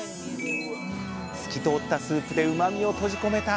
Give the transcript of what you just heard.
透き通ったスープでうまみを閉じ込めたあ